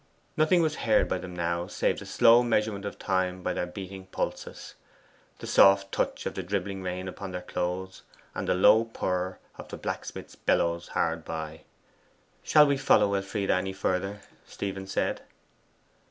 Nothing was heard by them now save the slow measurement of time by their beating pulses, the soft touch of the dribbling rain upon their clothes, and the low purr of the blacksmith's bellows hard by. 'Shall we follow Elfie any further?' Stephen said.